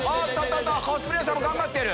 コスプレーヤーさんも頑張ってる！